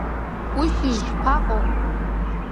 Ушьыжь шԥаҟоу?